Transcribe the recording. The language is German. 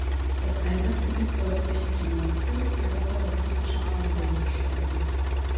Das Einsatzgebiet sollte sich auf die Nordsee und die Gewässer der britischen Inseln beschränken.